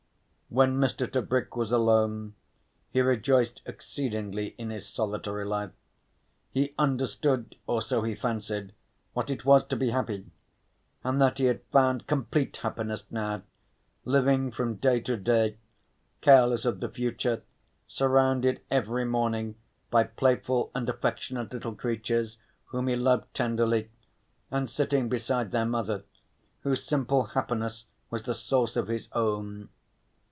When Mr. Tebrick was alone he rejoiced exceedingly in his solitary life. He understood, or so he fancied, what it was to be happy, and that he had found complete happiness now, living from day to day, careless of the future, surrounded every morning by playful and affectionate little creatures whom he loved tenderly, and sitting beside their mother, whose simple happiness was the source of his own.